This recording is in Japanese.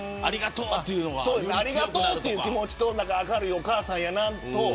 ありがとうという気持ちと明るいお母さんやなと。